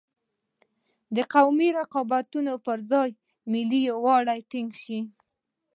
د قومي رقابتونو پر ځای ملي یوالی ټینګ شي.